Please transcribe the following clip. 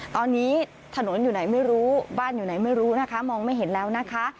ตอนนี้ถนนอยู่ไหนไม่รู้บ้านอยู่ไหนไม่รู้นะคะมองไม่เห็นแล้วนะคะ